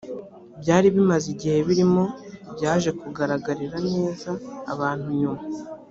byari bimaze igihe biriho byaje kugaragarira neza abantu nyuma